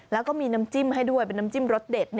แล้วก็มีน้ำจิ้มให้ด้วยเป็นน้ำจิ้มรสเด็ด